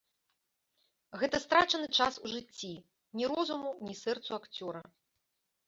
Гэта страчаны час у жыцці, ні розуму, ні сэрцу акцёра.